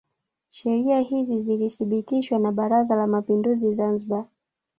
Sheria hizi zilithibitishwa na Baraza la Mapinduzi Zanzibar